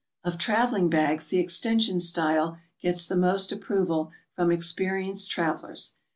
Of traveling bags, the extension style gets the most approval from experienced travelers.